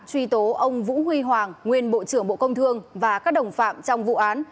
truy tố ông vũ huy hoàng nguyên bộ trưởng bộ công thương và các đồng phạm trong vụ án